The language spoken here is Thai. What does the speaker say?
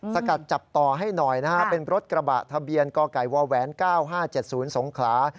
สกัดจับต่อให้หน่อยนะฮะเป็นรถกระบะทะเบียนกไก่ว๙๕๗๐สงขลา